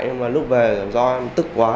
nhưng mà lúc về do em tức quá